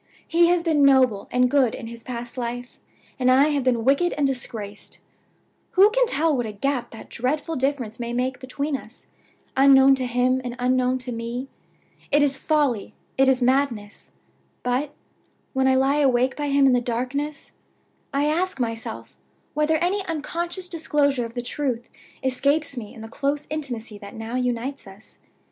He has been noble and good in his past life, and I have been wicked and disgraced. Who can tell what a gap that dreadful difference may make between us, unknown to him and unknown to me? It is folly, it is madness; but, when I lie awake by him in the darkness, I ask myself whether any unconscious disclosure of the truth escapes me in the close intimacy that now unites us?